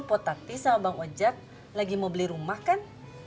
potati sama bang ojak lagi mau beli rumah kan